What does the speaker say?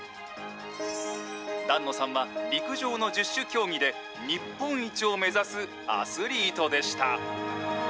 檀野さんは陸上の十種競技で、日本一を目指すアスリートでした。